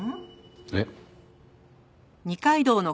えっ？